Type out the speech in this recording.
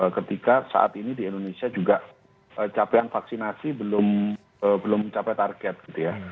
ketika saat ini di indonesia juga capaian vaksinasi belum mencapai target gitu ya